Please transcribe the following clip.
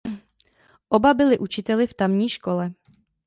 Oba byli učiteli v tamní škole.